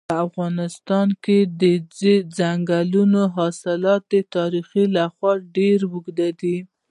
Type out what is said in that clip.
په افغانستان کې د ځنګلي حاصلاتو تاریخ خورا ډېر اوږد دی.